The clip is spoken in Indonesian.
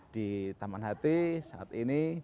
di taman hati saat ini